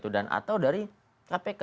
dan atau dari kpk